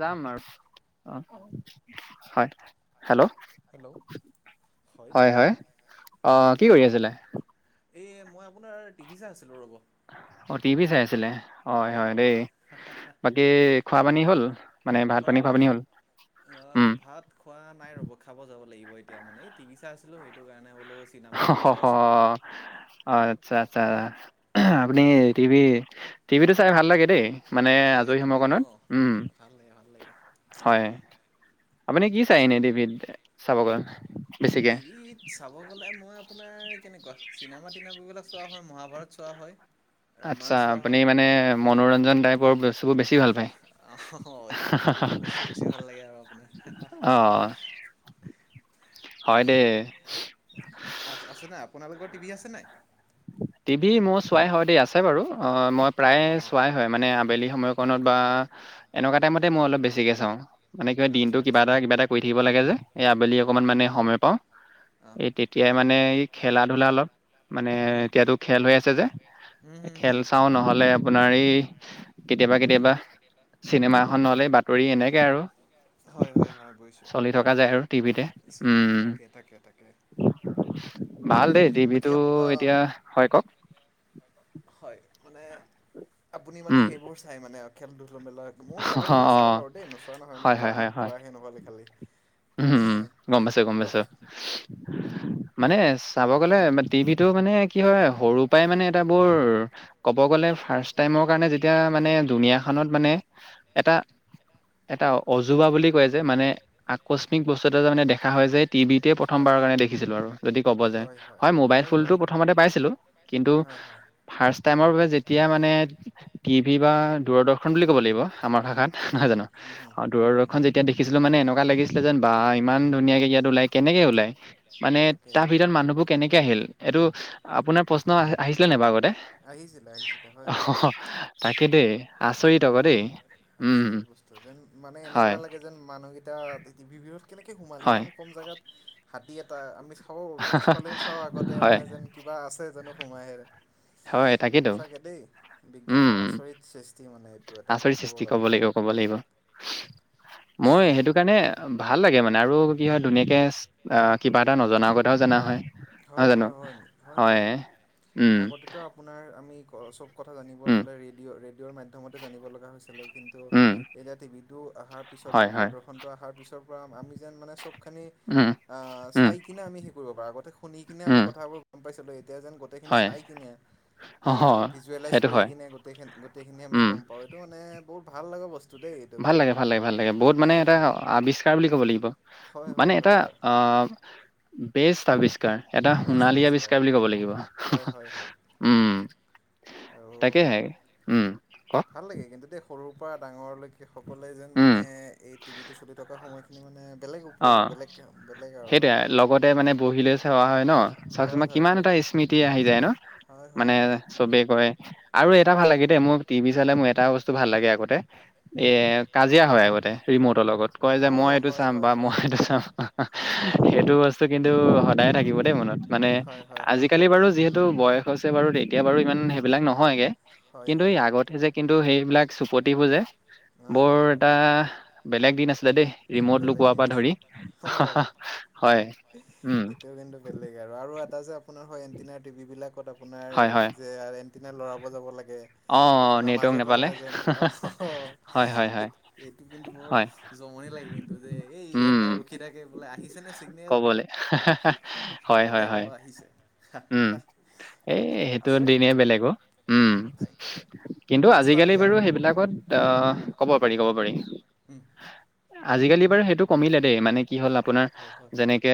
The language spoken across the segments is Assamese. যাম আৰু অ, হয়। হেল্ল' হেল্ল' হয় হয়। অ' অ' কি কৰি আছিলে? এই মই আপোনাৰ টিভি চাই আছিলোঁ ৰব। অ টিভি চাই আছিলে? হয়, হয় অ'। দেই। বাকী খোৱা পানী হ'ল? মানে ভাত পানী খোৱা পানী হ'ল? আহ, উম। ভাত খোৱা নাই ৰ'ব, খাব যাব লাগিব এতিয়া মানে। এই টিভি চাই আছিলোঁ সেইটো কাৰণে বোলো চিনেমা এখন অ' চাই আছিলোঁ। অ' আচ্ছা- আচ্ছা। আপুনি টিভি, টিভিটো চাই ভাল লাগে দেই। মানে ভাল লাগে আজৰি ভাল লাগে সমময়কনত। অ', উম। ভাল লাগে ভাল লাগে হয়, আপুনি কি চাই আছোঁ। এনে টিভিত চাব গ'লে? টিভিত চাব গ'লে মই আপোনাৰ কেনেকুৱা চিনেমা-টিনেমা চোৱা হয়, মহাভাৰত চোৱা হয়। ৰামায়ণ আচ্ছা, চোৱা আপুনি হয় মানে মনোৰঞ্জন টাইপৰ বস্তুবোৰ বেছি ভাল পায়। অ, হেনেকুৱাবিলাক বস্তু বেছি ভাল লাগে আৰু আপোনাৰ হা - হা-হা। অ হয় দেই। আ আছে নাই? আপোনালোকৰ টিভি আছে নাই? টিভি মোৰ চোৱাই হয় দেই, আছে বাৰু। অ' মই অ', প্ৰায়ে অ'। চোৱাই হয়। মানে আবেলি সময়কনত বা এনেকুৱা টাইমতে মই অলপ বেছিকে চাওঁ। মানে কিবা আচ্ছা দিনটো কিবা আচ্ছা। এটা নহয় কিবা এটা কৰি থাকিব লাগে যে, এই আবেলি হা হা অকমান মানে সময় পাওঁ। অ', এই তেতিয়া তেতিয়াই মানে এই খেলা-ধূলা অলপ মানে উম। এতিয়াতো খেল হৈ আছে যে, উম হুম খেল হুম চাও নহলে আপোনাৰ এই কেতিয়াবা কেতিয়াবা চিনেমা এখন নহলে বাতৰি এনেকে আৰু। হয় হয় হয় বুজিছোঁ চলি থকা যায় আৰু টিভিতে। বুজিছোঁ। উম- উম। তাকে তাকে তাকে ভাল দেই বাকী টিভিটো আপ আ এতিয়া, হয় কওক। হয়, মানে আপুনি মানে উম, সেইবোৰ চাই মানে খেলা-ধূলাবিলাক। মইও অ', খেলা-ধূলা চাওঁ অ', বাৰু দেই, নোচোৱা নহয়। মই হয়, কোৱা হয়, হয়, হয়, কোৱাহে নহ'লে খালি। উম, গম হয় পাইছো, গম কওক পাইছো। মানে চাব গ'লে টিভিটো মানে কি হয় সৰু পৰাই মানে এটা বৰ ক'ব গ'লে ফাৰ্ষ্ট টাইমৰ কাৰণে যেতিয়া মানে দুুনীয়াখনত মানে এটা এটা অজোবা বুলি কয় যে মানে আকস্মিক বস্তু এটা যে মানে দেখা হয় যে, টিভিতোৱে হয় প্ৰথমবাৰৰ কাৰণে দেখিছিলোঁ আৰু। যদি ক'ব যায়। হয় মোবাইল ফোলটো প্ৰথমতে পাইছিলো, কিন্তু হয় হয় হয়। ফাৰ্ষ্ট টাইমৰ বাবে যেতিয়া মানে টিভি বা দূৰদৰ্শন বুলি ক'ব লাগিব আমাৰ ভাষাত। উম নহয় জানো? হুম হুম অ' হুম হুম দূৰদৰ্শন যে যেতিয়া দেখিছিলো মানে এনেকুৱা লাগিছিলে যেন বা আ ইমান ধুনীয়াকে ইয়াত ওলাই, কেনেকে ওলাই? মানে তাকে তাৰ ভিতৰত মানুহবোৰ কেনেকে আহিল? এইটো আপোনাৰ প্ৰশ্ন আহিছিলে নাই বাৰো আগতে? আহিছিলে আহিছিলে হয় হয় অ', তাকে দেই। আচৰিত আকৌ মানে দেই। উম আচৰিত বস্তু যেন মানে হয় এনেকুৱা লাগে যেন মানুহকেইটা ভিডিঅ'ত কেনেকে সোমাল হয় ইমান কম জেগাত? হাতী এটা আমি চাওঁ, পিছফালেও চাওঁ আগতে হয় মানে যেন কিবা আছে যেন সোমাই। হয় তাকেইতো সঁচাকে দেই। উম বিজ্ঞানৰ আচৰিত সৃষ্টি মানে। এটা আচৰিত সৃষ্টি, গ'লে ক'ব লাগিব ক'ব লাগিব। মই সেইটো কাৰণে ভাল লাগে মানে, আৰু কি হয় ধুনীয়াকে আ কিবা এটা নজনা কথাও জনা হয়। নহয় হয়, জানো? হয়, হয়। হয়, হয়। উম আগতে তো আপোনাৰ আমি চব কথা জানিবৰ উম হ'লে ৰেডিঅ' ৰেডিঅ'ৰ মাধ্যমতে জানিব লগা হৈছিলে। কিন্তু উম, এতিয়া টিভিটো অহাৰ পিছত বা হয়, হয়। দূৰদৰ্শন শনটো আহাৰ পিছৰ পৰা আমি যেন মানে চবখিনি উম, আ উম, চাইকিনে আমি হেই কৰিব পাৰোঁ। আগতে নি কিনে আমি উম, কথাবোৰ গম পাইছিলোঁ। এতিয়া যেন গোটেইখিনি হয়। চাই কিনে, এ, অ', হয়, ভিজুৱেলাইজ সেইটো কৰি হয়। কিন নে গোটেইখিনি, গোটেইখিনি আমি উম, গম পাওঁ। এইটো মানে বহুত ভাল লগা বস্তু। দেই এইটো ভাল কাৰ লাগে, ভাল লাগে, ভাল লাগে। বহুত মানে এটা আৱিষ্কাৰ বুলি ক'ব লাগিব। হয় মানে হয় এটা, হয় আ', বেষ্ট আৱি কাৰ। এটা সোণালী আৱিষ্কাৰ বুলি ক'ব লাগিব। হয় হয় হয় উম। আৰু তাকেহে, উম। কওক? ভাল লাগে কিন্তু দেই। সৰুৰ পৰা ডাঙৰলৈকে সকলে যেন উম, মানে, এই টিভিটো চলি থকা সময়খিন নি মানে বেলেগ অ', উপভোগ বেলেগ বেলেগ আৰু সেইটোৱে। লগতে মানে বহিলৈ চাৱা হয় ন? চাচোন হয় বা হয় কিমান হয় এটা ইস স্মৃতি আহি যায় ন? হয়, মানে হয়, হয়। চবেই কয় আৰু এটা ভাল লাগে দেই। মোৰ টিভি চালে মোৰ এটা বস্তু ভাল লাগে আগতে। এ, উম কাজিয়া হয় আগতে ৰিমটৰ লগত। কয় যে অঁ মই এইটো হয় চাম। হয় বা মই হয় সেইটো চাওঁ। হয় হয় হয় সেইটো বস্তু কিন্তু সদায় থাকিব দেই মনত। মানে, হয় হয় হয় আজিকালি বাৰু যিহেতু বয়স হৈছে বাৰু এতিয়া বাৰু ইমান সেইবিলাক নহয়গে। হয় হয় কিন্তু এই হয় আগতে যে কিন্তু সেইবিলাক চুপতিবোৰ যে, হয় বৰ হয় হয় এটা বেলেগ দিন আছিলে দেই, ৰিমট বেলেগ লুকোৱা দিন পা আছে ধৰি। অঁ হয়, উম। এইটো কিন্তু বেলেগ আৰু। আৰু এটা যে আপোনাৰ হয় এণ্টিনাৰ টিভি বিলাকত আপোনাৰ হয় হয় যে আৰ এ এণ্টিনাৰ ল'ৰাব যাব লাগে। অ আপোনাৰ নেটৱৰ্ক মাজে নাপালে সময়ে যেন, অহ, হয় হয় হয় এইট, এইটো কিন্তু বৰ হয় জমনি লাগে। এইটো যে, এই উম এটাই ৰখি থাকে বোলে এই আহিছেনে চিগনেল? ক'বলে হয়, হয়, হয়। উম, এই, সেইটো আছে দিনেই বেলেগ অ'। উম। তাকে কিন্তু আজিকালি নষ্টালজিয়া বাৰু আৰু ক'ব গ'লে সেইবিলাকত, আহ, ক'ব পাৰি, ক'ব পাৰি। উম, আজিকালি বাৰু সেইটো কমিলে দেই। মানে কি হ'ল আপোনাৰ, হয় হয় যেনেক কে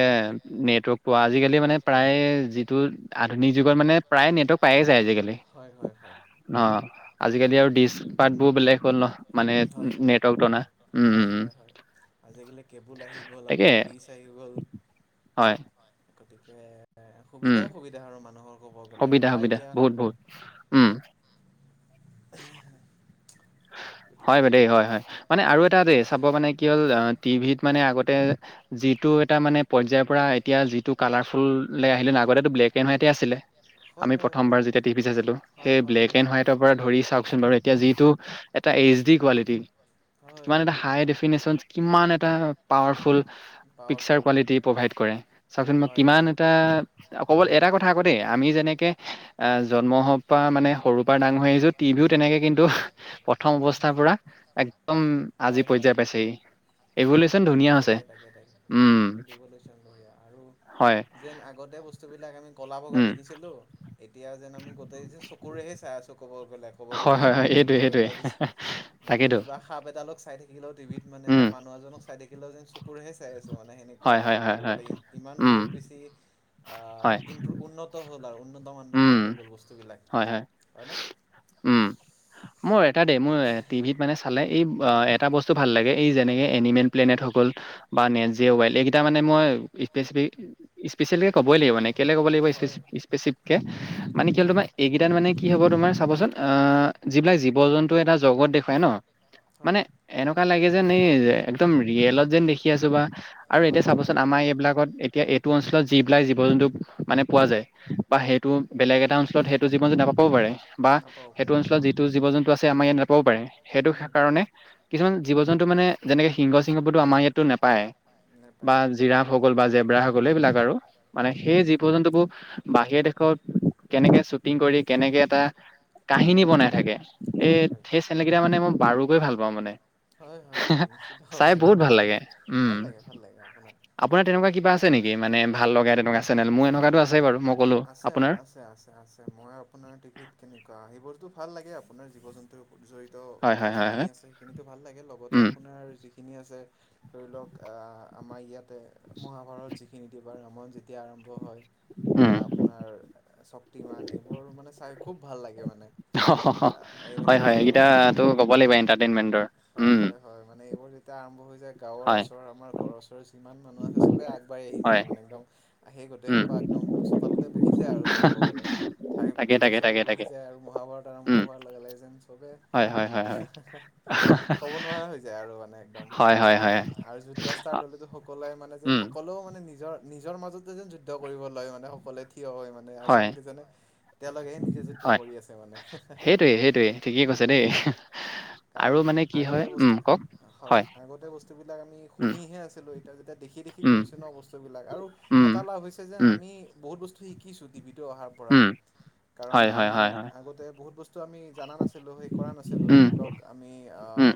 নেটৱৰ্ক পোৱা, আজিকালি মানে প্ৰায় যিটো আধুনিক যুগত মানে, প্ৰায়ে নেটৱৰ্ক পায়ে যায় আজিকালি। হয়, হয়, হয়। অ'। আজিকালি আৰু ডিচ পাৰ্টবোৰ বেলেগ হ'ল নহ, মানে হয় নেটৱৰ্ক টনা। হয় উম। হয় হয় আজিকালি কেবুল আহি গ'ল তাকে আপোনাৰ, ডিচ আহি গ'ল। হয়। গতিকে, উম সুবিধাই সুবিধা আৰু মানুহৰ ক'ব গ'লে। সুবিধা বা সুবিধা এতিয়া বহুত। উম। [inaudible] গতিকে হয় বা দেই। হয়, হয়। মানে আৰু এটা দেই, চাব মানে কি হ'ল আ টিভিত মানে আগতে যিটো এটা মানে পৰ্যায়ৰ পৰা এতিয়া যিটো কালাৰফুল লে আহিলে, আগতেতো ব্লেক এণ্ড হোৱাইটে আছিলে। হয় আমি হয় হয় প্ৰথমবাৰ যেতিয়া টিভি চাইছিলোঁ, হয় সেই হয় ব্লেক এণ্ড হোৱাইট তৰ পৰা ধৰি চাওঁকচোন বাৰু এতিয়া যিটো এটা এইচ ডি কোৱালিটি। হয় কিমান হয় এটা হয় হয় হাই ডেফিনেশ্যনচ, কিমান এটা powerful pixel pixel powerful quality provide কৰে। চাওঁকচোন বাৰু হয় যেন কিমান এটা কবল এটা কথা আকৌ দেই, আমি যেনেকে আহ জন্ম হ'ব পৰা মানে সৰুৰ পৰা ডাঙৰ হৈ আহিছোঁ টিভিও তেনেকে কিন্তু প্ৰথম অৱস্থাৰ পৰা একদম হয় আজি হয় পৰ্য্যায় পাইছেহি। এভোলেছন ধুনীয়া হৈছে। তাকে তাকে তাকে উম, ৰিভলিউচন বঢ়িয়া আৰু হয়। যেন আগতে বস্তুবিলাক আমি ক'লা বগা উম দেখিছিলোঁ। এতিয়া যেন আমি গোটেই যে চকুৰেহে চাই আছো ক'ব গ'লে। ক'ব গ'লে হয় হয় যিবোৰ হয় এইটোৱে সেইটোৱে [unintelligible] মানে তাকেইতো কিবা। সাপ এডালক চাই থাকিলেও টিভিত মানে বা উম মানুহ এজনক চাই থাকিলে যে চকুৰেহে চাই আছো। ত' মানে সেনেকোৱা হয়, আৰু ক'ব গ'লে ইমান উম বহুত বেছি আ হয় ইনপ্ৰুভ উন্নত হ'ল আৰু। উন্নত উম মানদণ্ডৰ হৈ গ'ল বস্তুবিলাক হয় হয় হয়নে? উম, মোৰ এটা দেই মোৰ টিভিত মানে চা চালে এই এটা বস্তু ভাল লাগে, এই যেনেকে এনিমেল প্লেনেটসকল বা নেট জিঅ' ওৱাইল এইকেইটা মানে মই স্পেচফি স্পেচিয়েলকে ক'বই লাগিব মানে। কেলেই ক'ব লাগিব স্পেচ হয় হয় স্পেচিফকে, মানে কি হ'ল উম তোমাৰ এইকেইটাত মানে কি হ'ব তোমাৰ চাবচোন, অ' যিবিলাক জীৱ জন্তুৱে এটা জগত দেখুৱাই ন'। হয় মানে এনেকুৱা লাগে যেন এই একদম ৰিয়েলত যেন দেখি আছো বা। আৰু এতিয়া হয় হয় চাবচোন আমাৰ এইবিলাকত এতিয়া এইটো অঞ্চলত যিবিলাক জীৱ জন্তু মানে পোৱা যায়। বা হয় সেইটো বেলেগ এটা অঞ্চলত সেইটো জীৱন যদি নাপাবওঁ পাৰে। বা নাপাব পাৰে সেইটো অঞ্চলত যিটো জীৱ জন্তু আছে আমাৰ ইয়াত নাপাবওঁ পাৰে। সেইটো উম কাৰণে কিছুমান জীৱ জন্তু মানে যেনেকে সিংহ চাংহবোৰটো আমাৰ ইয়াততো নাপায়। বা নাপায় জিৰাফ হৈ গ'ল বা জেবৰা হৈ গ'ল, এইবিলাক আৰু মানে উম জীৱ জন্তুবোৰ বাহিৰৰ দেশত কেনেকে শ্বুটিং কৰি কেনেকে এটা কাহিনী বনাই থাকে। এ হয় হয় সেই চেনেল কেইটা মানে মই বাৰু কৈ ভাল পাওঁ মানে। হয় হয় হয় নিশ্চিত চাই হয় বহুত তাকে ভাল লাগে উম। ভাল লাগে ভাল লাগে আপোনাৰ আপোনাৰ তেনেকুৱা কিবা আছে নেকি ভাল লগা তেনেকুৱা চেনেল? মোৰ এনেকুৱাতো আছে বাৰু। মোক আছে, আছে, আছে, আছে মই আপোনাৰ টিভিত কেনেকুৱা হেইবোৰতো ভাল লাগে। আপোনাৰ জীৱ জন্তুৰ গত জড়িত হয় বা হয় হয় হয় যিখিনি আছে সেইখিনিতো ভাল লাগে। লগতে উম আপোনাৰ যি খিনি আছে, ধৰি লওঁক আমাৰ ইয়াতে মহাভাৰত যিখি ন ই টা ভিত ৰামায়ন যেতিয়া আৰম্ভ হয়। [inaudible] বা আপোনাৰ শক্তিমান এইবোৰ মানে চাই খুব ভাল লাগে মানে। অ', হয় এইবিলাক হয় যিবোৰ সেইকেইটাটো ক'ব লাগিব এণ্টাৰটেইনমেণ্টৰ হয় উম। হয় হয়। মানে এইবোৰ যেতিয়া আৰম্ভ হৈ যায় গাঁৱৰ হয় ওচৰ আমাৰ ঘৰৰ ওচৰত যিমান মানুহ আছে চবে আগ বাঢ়ি আহি হয় যায় মানে একদম, আহি গোটে উম সোপা একদম চোতালতে বহি যয়া আৰু ক'ব গ'লে। শাৰি তাকে পাতি লৈ তাকে চবে তাকে বহি তাকে যায় আৰু, মহাভাৰত উম আৰম্ভ হোৱাৰ লগে লগে যেন চবে হয়, হয়, হয়, হয়। ক'ব নোৱাৰা হৈ যায় আৰু মানে একদম। হয় হয় হয় আৰু যুদ্ধ অ, ষ্টাৰ্ট হ'লেতো সকলোৱে মানে যেন উম সক কলোয়ে মানে নিজৰ নিজৰ মাজতে যেন যুদ্ধ কৰিব লয় মানে সকলোৱে থিয় হয় মানে। হয় আচল কেইজনে তেওঁলোকেহে নিজে যুদ্ধ হয় কৰি আছে মানে। সেইটোৱে সেইটোৱে ঠিকেই কৈছে দেই কাৰণ আৰু মানে কি হয় আগতে বস্তু, উম কওক হয়। আগতে বস্তুবিলাক আমি উম শুনিহে আছিলোঁ, এতিয়া যেতিয়া দেখি দেখি খি উম কৰিছে ন' বস্তু বিলাক। আৰু উম এটা লাভ হৈছে যেন উম আমি বহুত বস্তু শি কিছো টিভিটো অহাৰ পৰা। উম কাৰণ হয় আমি হয় হয় হয় আগতে বহুত বস্তু আমি জনা নাছিলো। ছিলো সেই কৰা নাছিলো। উম ধৰি লওঁক - আমি উম অঁ,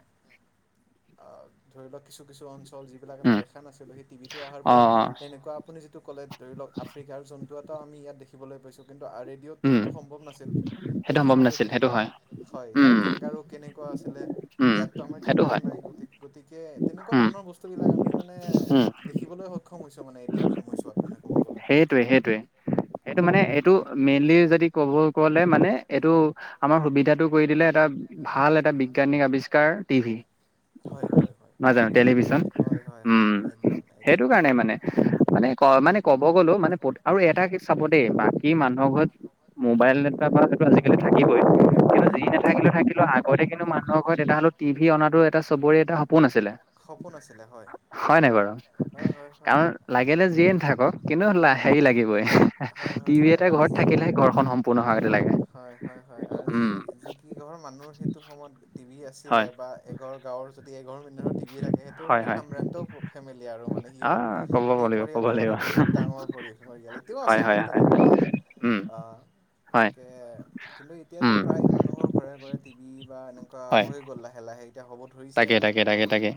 ধৰি লওঁক কিছু কিছু অঞ্চল- এইবিলাক আমি উম দেখা নাছিলো। সেই টিভিটো অহাৰ অ পৰা অ তেনেকুৱা আপুনি যিটো ক'লে ধৰি লওঁক - আফ্ৰিকা জন্তু এটা আমি ইয়াত দেখিবলৈ পাইছোঁ। কিন্তু আ এ- ইহঁতটো উম, সেইটো সম্ভৱ নাছিল। সেই সেইটো সম্ভৱ সিংহটো নাছিল সেইটো কেনেকুৱা হয়। হয়, তাৰ উম, কেংগাৰু- কেনেকুৱা আছিলে, উম, ইয়াতটো আমাৰ সেইটো কেংগাৰো হয়। নাই। গতি-গতিকে তেনেকুৱা উম, ধৰণৰ বস্তু বিলাক- আমি মানে উম, দেখিবলৈ সক্ষম হৈছে মানে এতিয়া সময়ছোৱাত মানে ক'ব গ'লে। সেইটোৱে- সেইটোৱে মানে এইটো মেইনলি যদি ক'ব ক'লে এইটো- আমাৰ সুবিধাটো কৰি দিলে এটা ভাল এটা বিজ্ঞানিক আৱিষ্কাৰ টিভি। হয় হয় হয় নাযাওঁ টেলিভিছন হয় হয় হয় উম, একদম সেইটো একদম কাৰণে মানে- মানে ক' মানে- ক'ব গ'লো মানে আৰু এটা চাব দেই বাকী মানুহৰ ঘৰত মোবাইল- এটাপাক হেইটো আজিকালি থাকিবই। কিন্তু হয় যি নাথাকিলে থাকিলেও আগতে কিন্তু মানু- হৰ ঘৰত এটা হ'লেও টিভি অনাতো এটা চবৰে এটা সপোন আছিলে। সপোন আছিলে হয় নাই বাৰু? হয় হয় হয় কাৰণ- লাগিলে যিয়ে নাথাকক কিন্তু হেৰি লাগিবই হয় হয় টিভি হয় এটা আৰু ঘৰত যি থাকিলেহে ঘৰখন সম্পূৰ্ণ। পূৰ্ণ হোৱাটো লাগে। হয়- হয়- হয় আৰু যি উম যি কিঘৰ মানুহৰ ঘৰত সেইটো সময়ত টিভি আছিলে হয় বা- এঘৰ গাঁৱৰ যদি এঘৰ মানুহৰ টিভি থাকে সেইটোও হয় মানে হয় সাম্ৰান্ত ফেমিলি আৰু মানে সিহঁত- আহ ক'ব সেই লাগিব ক'ব পৰিয়ালটো মানে লাগিব বহুত ডাঙৰ পৰিয়াল। এতিয়াও হয় আছে হয় মানে হয় তেনেকুৱা উম আহ- হয়। কিন্তু এতিয়াতো উম প্ৰায় মানুহৰ ঘৰে ঘৰে টিভি বা এনেকুৱা হয় হৈ গ'ল। লাহে -লাহে- এতিয়া হ'ব ধৰিছে তাকে মানে তাকে তাকে মানুহৰ। তাকে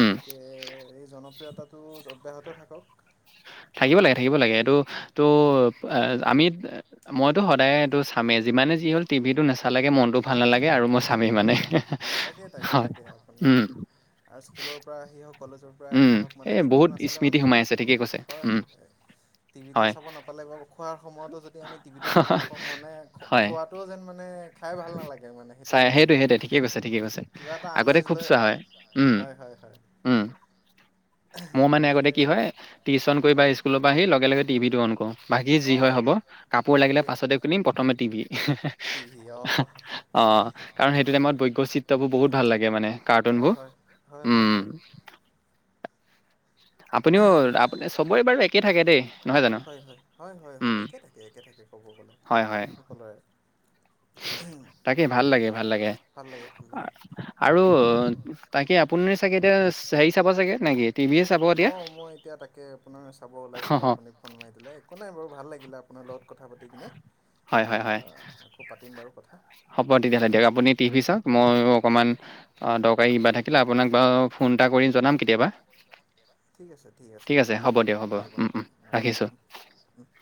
উম এই জনপ্ৰিয়তা- টো অব্যাহত থাকক। থাকিব লাগে, থাকিব লাগে। এইটো ত' আমি- মইতো সদায় এইটো চামেই, যিমানে যি হ'ল টিভিটো নেচালেগে মনতটো ভাল নালাগে আৰু মই চামেই সিমানে। তাকে- তাকে- তাকে আপোনাৰ আৰু স্কুলৰ পৰা আহি হওঁক, কলেজৰ- পৰা আহি উম হওঁক মানে এই বহুত টিভিটো নাচালে স্মৃতি মানে সোমাই আছে ঠিকেই কৈছে হয়- উম হয়। টিভিটো হয় চাব নাপালে বা খোৱাৰ সময়তো যদি আমি টিভিটো চাব নাপাওঁ মনে হয় খোৱাত- টো যেন মানে খাই ভাল নালাগে মানে সেইটো চাই টাইমত। সেইটোৱে সেইটোৱে ত- ঠিকে কৈছে, ঠিকে কৈছে। কিবা এটা আগতে আমেজ খুব লৈ চোৱা হয় উম হয় -হয় -হয়। উম মোৰ মানে গতিকে আগতে কি হয়? টিউশন কৰি বা হয় স্কুলৰ পৰা আহি লগে লগে টিভিটো অন কৰোঁ। বাকী যি হয় অঁ হ'ব কাপোৰ লাগিলে সেইটোৱে পাছতে খুলিম, প্ৰথমে টিভি। টিভি- অঁ অঁ, কাৰণ সেইটো তাকে টাইমত বৈক্যচিত্ৰবোৰ বহুত ভাল লাগে মানে কাৰ্টুন হয় বোৰ। হয় হয়- হয়- হয়। উম। আপুনিও আপুনি চবৰে বাৰু একেই থাকে দেই নহয় জানো হয় -হয়, হয়- হয় -হয় উম একে থাকে, একে থাকে। ক'ব গ'লে হয় হয় সকলোৰে। তাকে ভাল লাগে, ভাল লাগে ভাল লাগে ভাল লাগে। আৰু- তাকে আপুনি চাগে এতিয়া হেৰি চাব চাগে নেকি? টিভিয়ে চাব এতিয়া। অঁ মই এতিয়া তাকে আপোনাৰ চাব ওলাইছিলোঁ আপুনি ফোন মাৰি দিলে, একো নাই বাৰু ভাল লাগিল আপোনাৰ লগত কথা - পাতি কিনে হয় হয় হয় আকৌ পাতিম বাৰু কথা। হ'ব তেতিয়া হ'লে দিয়ক, আপুনি টিভি চাওঁক মইও অকণমান অ দৰকাৰী কিবা থাকিলে আপোনাক বাৰু- ফোন এটা কৰি জনাম কেতিয়াবা। ঠিক আছে ঠিক আছে হৈ হ'ব যাব দিয়ক হ'ব উম, উম, ৰাখিছোঁ [unintelligible]